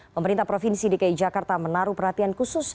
pemerintah provinsi dki jakarta menaruh perhatian khusus